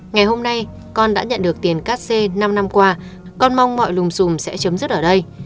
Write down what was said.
ngày hôm nay con đã nhận được tiền cắt xe năm năm qua con mong mọi lùm xùm sẽ chấm dứt ở đây